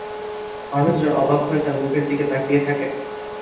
মানুষজন অবাক হয়ে তার মুখের দিকে তাকিয়ে থাকেন।